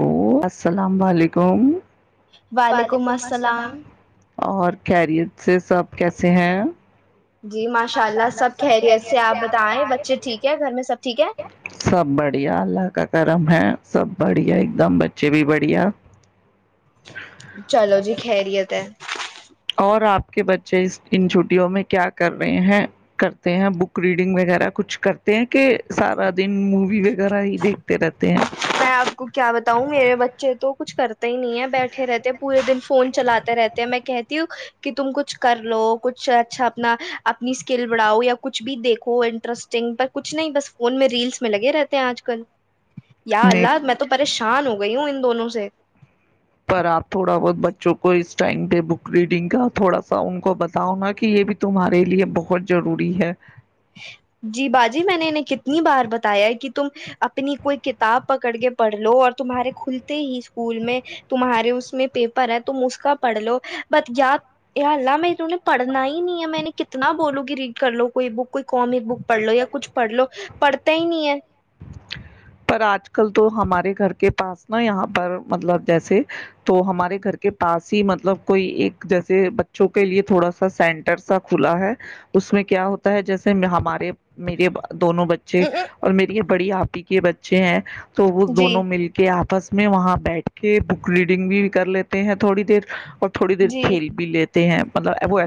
او السلام علیکم وعلیکم السلام، اور خیریت سے سب کیسے ہیں جی ماشاء اللہ سب خیریت سے آپ بتائیں بچے ٹھیک ہے گھر میں سب ٹھیک ہے سب بڑھیا اللہ کا کرم ہے سب بڑھیا ایک دم بچے بھی بڑھیا چلو جی خیریت ہے اور آپ کہ بچے اس ان چھٹیوں میں کیا کر رہے ہیں کرتے ہیں بک ریڈنگ وغیرہ کچھ کر ہیں کہ سارا دن مووی وغیرہ ہی دیکھتے رہتے ہیں میں آپ کو کیا بتاؤں میرے بچے تو کچھ کرتے ہی نہیں ہے بیٹھے رہتے پورے دن فون چلے رہتے ہیں میں کہ کہ تم کچھ کر لو کچھ اچھا اپنا اپنی اسکل بڑھاؤ یا کچھ بھی دیکھو انٹرسٹنگ پر کچھ نہیں بس فون میں ریلس میں لگے رہتے ہیں آج کل یا نہیں اللہ میں تو پریش شان ہو گئی ہوں ان دونوں سے پر آپ تھوڑا بہت بچوں کو اس ٹائم پہ بک ریڈنگ کا تھوڑا سا ان کو بتاؤ نا کہ یہ بھی تمہارے لیے بہت ضروری ہے اپنی بار بتایا کہ تم اپنی کوئی کتاب پکڑ کے پڑھ لو اور تمہارے کھلتے ہی اسکول میں تمہارے اس میں پیپر ہے تم اس کا پڑھ لو بٹ یا اللہ میں تمہیں پڑھنا ہی نہیں ہے میں نے کتنا بولوں گی ریڈ کر لو کوئی بک کوئی کامک بک پڑھ لو یا کچھ پڑھ لو پڑھتا ہی نہیں ہے پر آج کل تو ہمارے گھر کے پاس نا یہاں پر مطلب جیسے تو ہمارے گھر کے پاس ہی مطلب کوئی ایک جیسے بچوں کے لیے تھوڑا سا سینٹر سا کھلا ہے اس میں کیا ہوتا ہے جیسے ہمارے میرے دونوں بچے ہے اور میری یہ بڑی آپی کے بچے ہیں تو وہ جی دونوں مل کے آپ بس میں وہاں بیٹھ کے بک ریڈنگ بھی کر لیتے ہیں تھوڑی دیر اور تھڑی دیر جی کھیل بل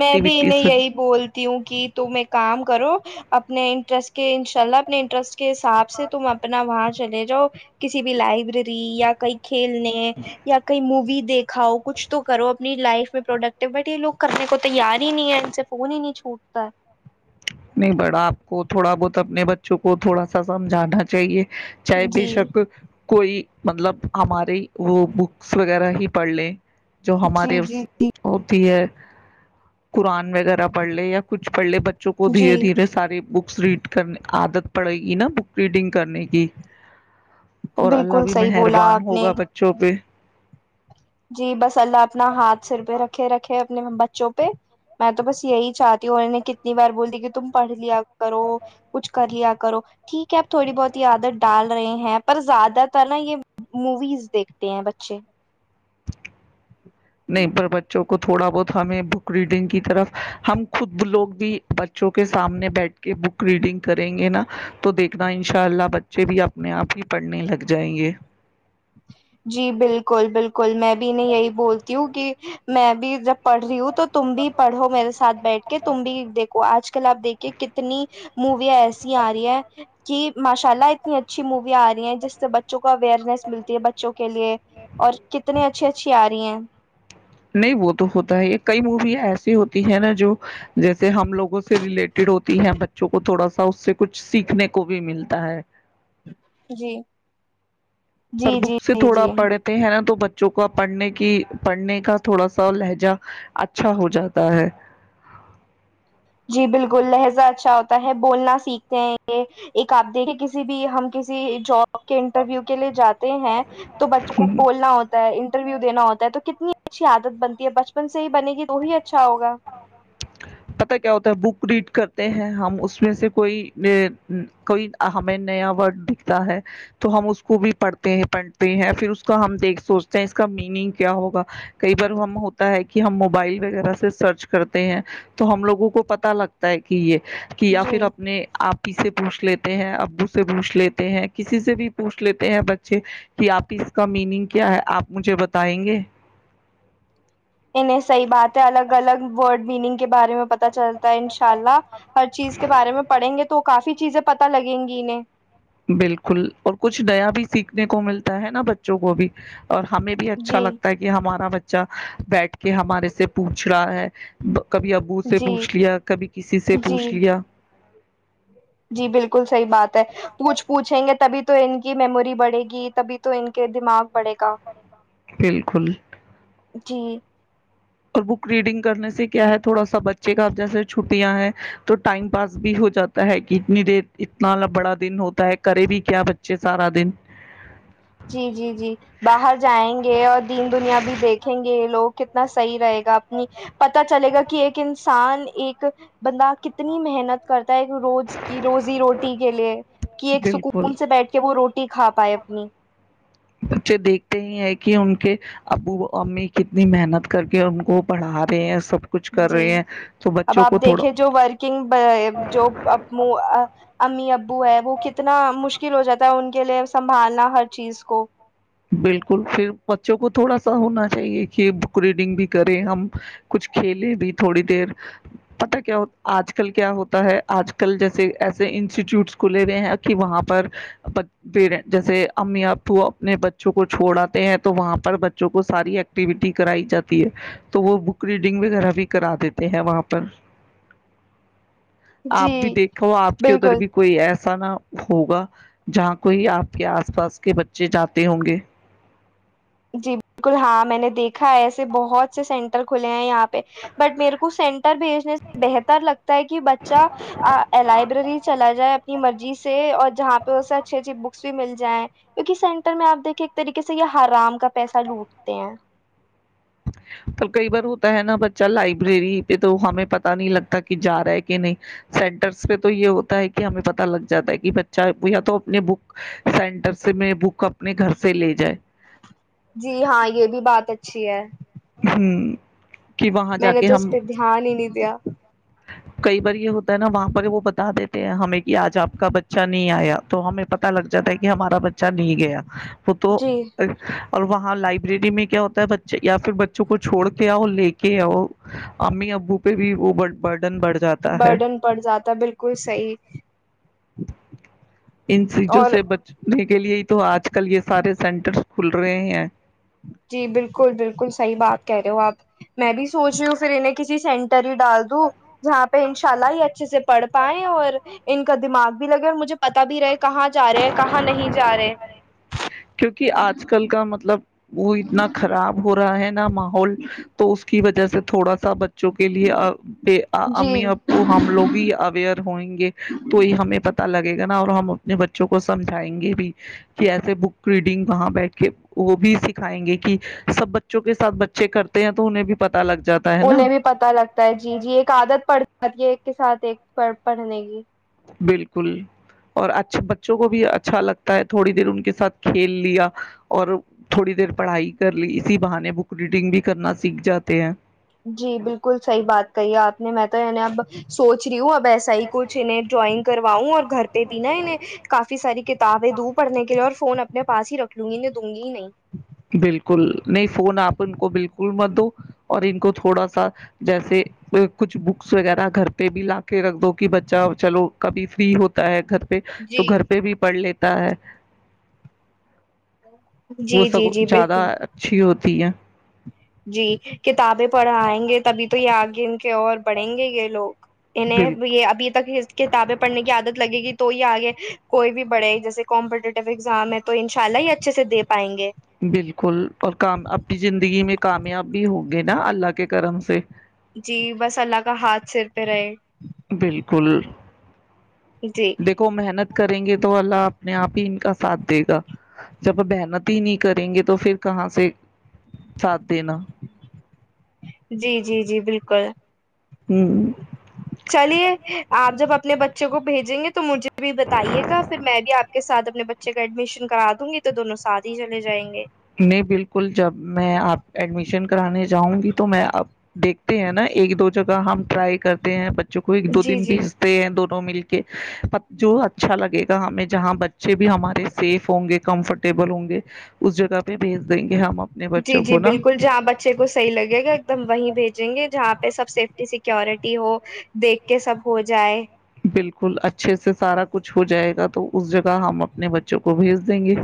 میں بھی انہیں یہی بولتی ہوں کہ تم ایک کام کرو اپنے انٹرسٹ کے انشاء اللہ اپنے انٹرسٹ کے حساب سے تم اپنا وہاں جو کسی بھی لائبریری یا کئی کھیلنے یا کئی مووی دیکھاؤ کچھ تو کرو اپنی لائف میں پروڈکٹو بٹ یہ لو کرنے کو تیار ہی نہیں ہے ان سے فون ہی نہیں چھوٹتا ہے نہیں بڑا آپ کو تھوڑا بہت اپنے بچوں کو تھوڑا سا سمجھانا چاہیے چاہے ہے بے جی شک کوئی مطلب ہمارے وہ بکس وغیرہ ہی پڑلیں جو ہمارے جی جی اس قرآن وغیرہ پڑھ لے یا کچھ پڑھ لے بچ کو دھیرے جی دھیرے ساری بکس ریڈ کرنے عادت پڑے گی نا بک ریڈنگ کرنے کی اور اللہ بالکل بھی صحیح بولا مہربان آپ نے ہوگا بچوں پہ جی بس اللہ اپنا ہاتھ سر پہ رکھے رکھے اپنے بچوں پہ میں تو بس یہی چاہتی ہوں انہوں نے کتنی بار بول دی کہ تم پڑھ لیا کرو کچھ کر لیا کرو ٹھیک ہے اب تھوڑی بہت ہی عادت ڈال رہے ہیں پر زیادہ تر نا یہ موویز دیکھتے ہیں بچے نہیں پر بچوں کو تھوڑا بہت ہمیں بک ریڈنگ کی طرف ہم خود لوگ بھی بچوں کے سامنے بیٹھ کے بک ریڈنگ کریں گے نا تو دیکھنا ان شاء اللہ بچے بھی اپنے آپ ہی پڑھنے لگ جائیں گے جی بالکل بالکل میں میں یہی بولتی ہوں کہ میں بھی جب پڑھ رہی ہوں تو تم بھی پڑھو میرے ساتھ بیٹھ کے تم بھی دیکھو آج لا آپ دیکھ کتنی م ایسی آ رہی ہے کہ ماشالا اتنی اچھی مویا آ رہی ہیں جس سے بچ کو اوئرنس مل بچوں کے لیے اور کتنی اچھی اچھی آ رہی ہیں نہیں وہ تو ہوتا ہے یہ کئی موویا ایسی ہوتی ہیں نا جو جیسے ہم لوگوں سے ریلیٹڈ ہوتی ہیں بچوں کو تھوڑا سا اس سے کچھ سیکھنے کو بھی ملتا ہے جی پر جی جی بوک سے جی تھوڑا جی پڑھتے ہیں نا تو بچے بچوں کا پڑھنے کی پڑھنے کا تھوڑا سا لہجہ اچھا ہو جاتا ہے جی بالکل لہجہ اچھا ہوتا ہے بولنا سیکھتے ہیں یہ ایک آپ دیکھ کسی بھی ہم کسی جاب آ کے انٹرویو کے لیے جاتے ہیں تو بچوں کو بولنا ہوتا ہے انٹرویو دینا ہوتا ہے تو کتنی اچھی عادت بنتی ہے بچپن سے ہی بنے گی توی اچھا ہوگا پتا کیا ہوتا ہے بک ریڈ کرتے ہیں ہم اس میں سے کوئی کوئی ہمیں نیا ورڈ دکھتا ہے تو ہم اس کو بھی پڑھتے ہیں پڑھتے ہیں پھر اس کا ہم دیکھ سوچتے ہیں اس کا میننگ کیا ہوگا کئی بار ہم ہوتا ہے کہ ہم موبائل وغیرہ سے سرچ کرتے ہیں تو ہم لوگوں کو پتا لگتا ہے کہ یہ کہ یا جی پھر اپنے آپ سے پوچھ لیتے ہیں ابو سے پوچھ لیتے ہیں کسی سے بھی پوچھ لیتے ہیں بچے کہ آپ کی اس کا میننگ کیا ہے آپ مجھے بتائیں گے انہیں صحیح بات ہے الگ الگ ورڈ میننگ کے بارے میں پتا چلتا ہے ان شاء اللہ ہر چیز کے بارے میں پڑھیں گے تو کافی چیزیں پتتا لگیں گی انہیں بالکل اور کچھ نیا بھی سیکھنے کو ملتا ہے نا بچوں کو بھی اور ہمیں بھی اچھا جی لگتا ہے کہ ہمارا بچہ بیٹھ کے ہمارے سے پوچھ رہا ہے کبھی ابو سے جی پوچھ لیا کبھی کسی سے جی پوچھ لیا جی بالکل صحیح بات ہے پوچھ پوچھیں گے تبھی تو ان کی میموری بڑھے گی تبھی تو ان کے دماغ بڑھے گا بالکل جی اور بک ریڈنگ کرنے سے کیا ہے تھوڑا سا بچے کا جیسے چھٹیاں ہیں تو ٹائم پاس بھی ہو جاتا ہے کہ اتنی دیر اتنا بڑا دن ہوتا ہے کرے بھی کیا بچے سارا دن جی جی جی باہر جائیں گے اور دین دنیا بھی دیکھیں گے لوگ کتنے نا صحیح رہے گا اپنی پتا چلے گا کہ ایک انسان ایک بندہ کتنی محنت کر روز کی روزی روٹی کے لیے کہ ایک سکون بالکل سے بیٹھ کے وہ روٹی کھا پائے اپنی بچے دیکھتے ہی ہیں کہ ان کے ابو امی کتنی محنت کر کے ان کو پڑھا رہے ہیں سب کچھ کر جی رہے ہیں تو اب بچوں آپ کو تھوڑا دیکھے جو ورکنگ امی ابو ہیں و کتنے اتنا مشکل ہو جاتا ہے ان کے لیے سنبھالنا ہر چیز کو بک پھر بچوں کو تھوڑا سا ہونا چاہیے کہ بک ریڈنگ بھی کریں ہم کچھ کھیلے بھی تھوڑی دیر پتا کیا آج کل کیا ہوتا ہے آج کل جیسے ایسے انسٹیٹیوٹس کھلے ہوئے ہیں کہ وہاں پر جیسے امی ابو اپنے بچوں کو چھوڑاتتے ہیں تو وہاں پر بچوں کو ساری ایکٹیویٹی کرائی جاتی ہے تو وہ بک ریڈنگ وغیرہ بھی کرا دیتے ہیں وہاں پر آپ بھی جی دیکھو آپ کے ادھر بالکل بھی کوئی ایسا نہ ہوگا جہاں کوئی آپ کے آس پاس کے بچے جاتے ہوں گے جی بالکل ہاں میں نے دیکھا ہے ایسے بہت سے سینٹر کھلے ہیں یہاں پہ پ بٹ میرے کو سینٹر بھیجنے سے بہتر لگتا ہے کہ بچہ لائبریری چلا جائے نی مرضی سے اور جہاں پہ سے اچھی اچھی بکس بھی مل جائیں کیونکہ سینٹر میں آپ دیکھے ایک طریقے سے یہ ہرام کا پیسہ لوٹتے ہیں تو کئی بار ہوتا ہے نا بچہ لائبریری پہ تو ہمیں پتا نہیں لگتا کہ جا رہا ہے کہ نہیں سینٹرس پہ تو یہ ہوتا ہے کہ ہمیں پت لگ جاتا ہے کہ بچہ یا تو اپنے بک سینٹرس میں بک اپنے گھر سے لے جائے جی ہاں یہ بھی بات ہےچ چھ ہے ہوں میں نے تو اس پہ دھیان ہی نہیں دیا کئی بار یہ ہوتا ہے نا وہاں پر وہ بتا دیتے ہیں ہمیں کہ آج آپ کا بچہ نہیں آیا تو ہمیں پتتا لگ جاتا ہے کہ ہمارا بچہ اا نہیں گیا وہ تو جی اور وہاں لائٹ ڈی میں کیا ہوتا ہے بچے یا پھر بے بچوں کو چھوڑ کے آؤ لے کے آؤ امی ابو پہ بھی وہ برڈن بڑھ جاتا ہے برڈن پڑ جاتا بالکل صحیح ان چیزوں اور سے بچنے کے لیے تو آج کل یہ سارے سینٹر کھل رہے ہیں جی بالکل بالکل صحیح بات ہے کہہ رہے ہو آپ میں بھی سوچ رہی ہوں پھر انہیں کسی سینٹر ہی ڈال دوں جہاں پہ انشاء اللہ ہی اچھے سے پڑھ پائےیں اور ان کا دماغ بھی لگے اور مجھے پتا بھی رہے کہاں جا رہے ہے کہاں نہیں جا رہے کیونکہ آج کل کا مطلب وہ اتنا خراب ہو رہا ہے ماحول تو اس کی وجہ سے تھوڑا سا بچ بوں کے لیے جی امی او ہم لوگ ہی اوئر ہوئیں گے تو یہ ہمیں پ پتا لگے گا نا اور ہم اپنے بچوں کو سمجھائیں گے بھی کہ ایسے بک ریڈنگ کہاں بیٹھ کے وہ بھی سکھائیں گے کہ سب بچوں کے ساتھ بچے کرتے ہیں تو انہیں بھی پ انہیں بھی پتا لگتا ہے جی جی ایک عادت پڑ ہے کے ساتھ ایک پر پڑھنے کی بالکل اور اچھا بچوں کو بھی اچھا لگتا ہے تھوڑی دیر ان کے ساتھ کھیل لیا اور تھوڑی دیر پڑھائی کر لی اسی بہانے بک ریڈنگ بھی کرنا سیکھ جاتے ہیں جی بالکل صحیح بات کہی ہے آپ نے میں تو عنی اب سوچ رہی ہوں اب وسا ہی کچھ انہیں ڈرائنگ کرواؤں اور گھر پہ بھی نا انہیں کافی ساری کتابیں دوں پڑھنے کے لیے اور فون میں پاس ہی رکھ لوں گییں دوں گی ہی نہیں بالکل نہیں فون آپ ان کو بالکل مت دو اور ان کو تھوڑا سا جیسے کچھ بکس وغیرہ گھر پہ بھی لا کے رکھ دو کہ بچہ چلو کبھی فری ہوتا ہے گھر پہ تو جی گھر پہ بھی پڑھ لیتے ہے جی وہ سب جی جی زیادہ بالکل اچھی ہوتی ہے جی کتابیں پڑھائیں گے تبھی تو یہ آگے اور بڑھیں گے یہ لوگ انہیں بالکل یہ ابھی تک کتابیں پڑھنے کی عادت لگے گی تو یہ آگے کوئی بھی بڑے جیسے کمپٹیٹیو ایگزام ہے تو ان شاء اللہ یہ اچھے سے دے پائیں گے بالکل اور کام اپنی زندگی میں کامیاب بھی ہوگے نا اللہ کے کرم سے جی بس اللہ کا ہاتھ سر پہ رہے بالکل جی دیکھو محنت کریں گے تو اللہ اپنے آپ ہی ان کا ساتھ دے گا جب محنت ہی نہیں کریں گے تو پھر کہاں سے ساتھ دینا جی جی جی بالکل ہوں چلیے آپ جب اپنے بچے کو بھیجیں گے تو مجھے بھی بتائیے گا پھر میں بھی آپ کے ساتھ اپنے بچے کا ایڈمیشن کرا دوں گی تو دونوں ساتھ ہی چلے جائیں گے نہیں بالکل جب میں آپ ایڈمیشن کرانے جاؤں گی تو میں دیکھتے ہیں نا ایک دو جگہ ہم ٹرائی کرتے ہیں بچے جو کو ایک دو جی دن جی پیس دے دونوں مل کے جو اچھا لگے ہمیں جہاں بچے بھی ہمارے سیف ہوں گے کمفرٹیبل ہوں گے اس جگہہ پہ بھیج دیں گے جی جی بالکل جہاں بچے کو صحیح لگے گا ایک دم وہیں بیجیں گے جہاں پہ سب سیف سیکورٹی ہو دیکھ کے سب ہو جائے بالکل اچھے سے سارا کچھ ہو جائے گا تو اس جگہ ہم اپنے بچوں کو بھیج دیں گے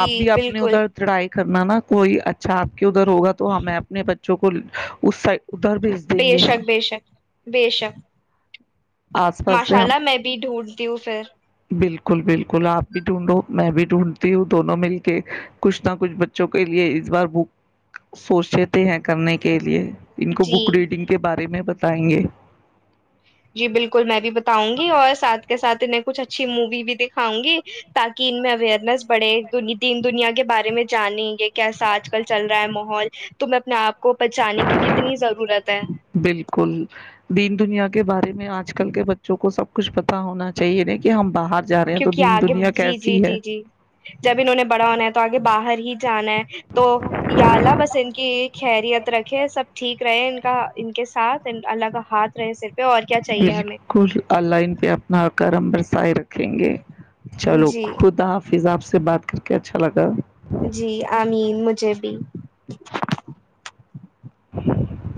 آپ بھی اپنے بالکل ادھر چڑائی کرنا نا کوئی اچھا ادھر ہوگا تو ہمیں اپنے بچے جو کو اس سائڈ ادھر بھیج بے دیں گے شک بے شک بے شک آس پاس ماشاء سے ہم اللہ میں بھی ڈھونڈتی ہوں پھر بکل بالکل آپ بھی ڈھونڈو میں بھی ڈھونڈتی ہوں دونوں مل کے کچھ نہ کچھ بچوں کے لیے اس بار بھک سوچے ہیں کرنے کے لیے ان کو جی بک ریڈنگ کے بارے میں بتائیں گے جی بالکل میں بھی بتاؤں گی اور ساتھ کے ساتھ انہیں کچھ اچھی مووی بھی دکھاؤں گی تاکہ ان میں اویئرنیس بڑھے تین دنیا کے بارے میں جانیں گے کیسا آج کل چل رہا ہے ماحول تو میں اپنے آپ کو بچانے کی کتنی ضرورت ہے بالکل [unintelligible] دنیا کے بارے میں آج کل کے بچوں کو سب کچھ پتا ہونا چاہیے دیکھیے ہم باہر جا رہے ہیں تو کیونکہ دین آگے دنیا جی جی کیسی ہے جی جی جب انہوں نے بڑا ہونا ہے تو آگے باہر ہی جانا ہے تو یااللہ بس ان کی خریت رکھے سب ٹھیک رہے ان کا ان کے ساتھ ان اللہ کا ہاتھ رہےسیر بالکل آ لائن پہ اپناکرم بسائے رکھ چلو جی خدا حافظ آپ سے بات کر کے اچھا لگا جی آمین مجھے بھی [inaudible] [inaudible]